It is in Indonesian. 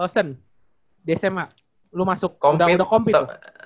sen di sma lu udah masuk udah compete